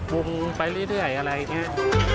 วงไปเรื่อยอะไรอย่างนี้